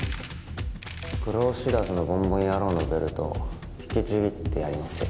苦労知らずのボンボン野郎のベルトを引きちぎってやりますよ。